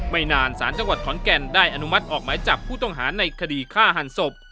ไม่นานสารจังหวัดขอนแก่นได้อนุมัติออกหมายจับผู้ต้องหาในคดีฆ่าหันศพ